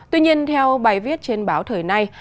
tuy nhiên theo bài viết trên báo thời nay